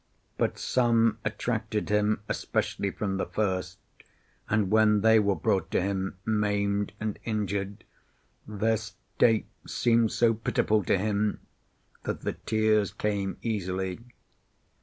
But some attracted him especially from the first, and when they were brought to him maimed and injured, their state seemed so pitiful to him that the tears came easily.